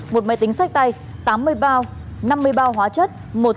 một máy tính sách tay tám mươi bao năm mươi bao hóa chất